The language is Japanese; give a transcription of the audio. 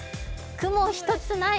雲一つない